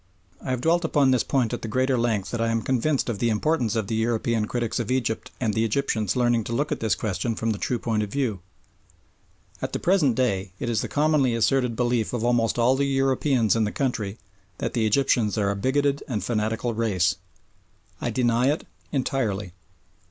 I have dwelt upon this point at the greater length that I am convinced of the importance of the European critics of Egypt and the Egyptians learning to look at this question from the true point of view. At the present day it is the commonly asserted belief of almost all the Europeans in the country that the Egyptians are a bigoted and fanatical race. I deny it entirely.